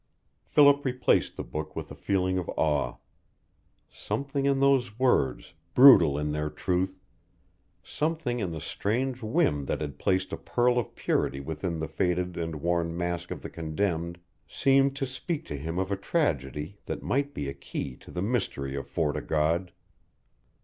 Philip replaced the book with a feeling of awe. Something in those words, brutal in their truth something in the strange whim that had placed a pearl of purity within the faded and worn mask of the condemned, seemed to speak to him of a tragedy that might be a key to the mystery of Fort o' God.